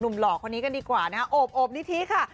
หนุ่มหลอกคนนี้กันดีกว่านะโอบโอบนิธิค่ะ